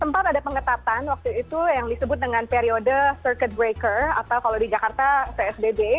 sempat ada pengetatan waktu itu yang disebut dengan periode circuit breaker atau kalau di jakarta psbb